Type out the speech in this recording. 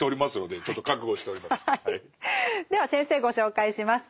では先生ご紹介します。